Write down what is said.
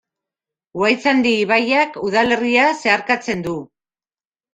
Uhaitzandi ibaiak udalerria zeharkatzen du.